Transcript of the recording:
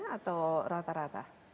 yang kuat tenaganya atau rata rata